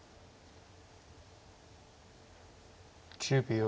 １０秒。